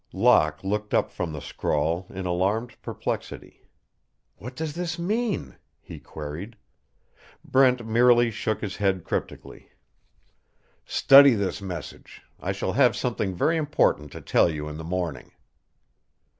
Locke looked up from the scrawl in alarmed perplexity. "What does this mean?" he queried. Brent merely shook his head cryptically. "Study this message. I shall have something very important to tell you in the morning."